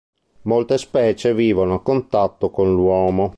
Molte specie vivono a contatto con l'uomo.